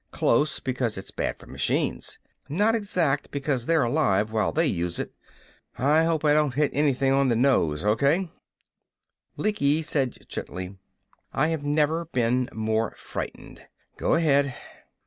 Close, because it's bad for machines. Not exact, because they're alive while they use it. I hope I don't hit anything on the nose. Okay?" Lecky said gently: "I have never been more frightened. Go ahead!"